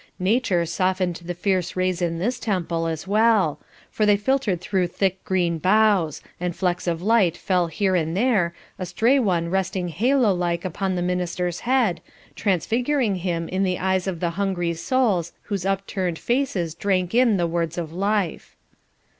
Nature softened the fierce rays in this temple as well, for they filtered through thick green boughs, and flecks of light fell here and there, a stray one resting halo like upon the minister's head, transfiguring him in the eyes of the hungry souls whose upturned faces drank in the words of life.